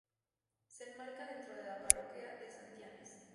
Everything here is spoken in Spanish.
Se enmarca dentro de la parroquia de Santianes.